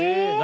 何？